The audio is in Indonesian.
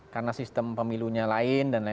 karena sistem pemilunya lain